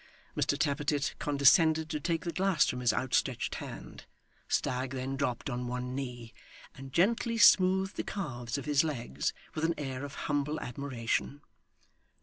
Mr Tappertit condescended to take the glass from his outstretched hand. Stagg then dropped on one knee, and gently smoothed the calves of his legs, with an air of humble admiration.